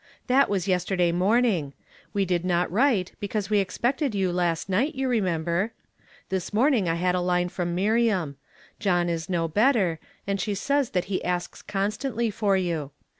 That was yesterday morning ; we did not write, because we expected you last night, you remember. This morning I had a line from Miriam. John is no better, and she says that he asks constantly for you.